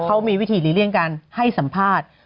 เขามีวิธีหลีกเลี่ยงการให้สัมภาษณ์